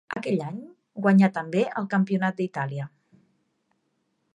Aquell any guanyà també el Campionat d'Itàlia.